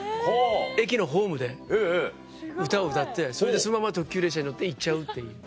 駅のホームで歌を歌ってそれでそのまま特急列車に乗って行っちゃうっていう。